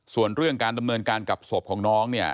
ส่วนเรื่องการดำเนินการกับศพของน้องเนี่ย